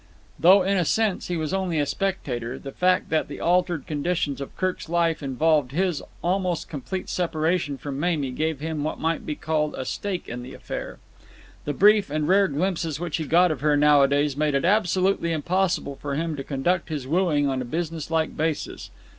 Though in a sense he was only a spectator, the fact that the altered conditions of Kirk's life involved his almost complete separation from Mamie gave him what might be called a stake in the affair. The brief and rare glimpses which he got of her nowadays made it absolutely impossible for him to conduct his wooing on a business like basis.